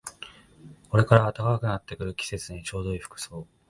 これから暖かくなってくる季節にちょうどいい服装